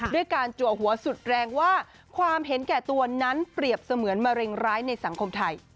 ด้วยการจัวหัวสุดแรงว่าความเห็นแก่ตัวนั้นเปรียบเสมือนมะเร็งร้ายในสังคมไทย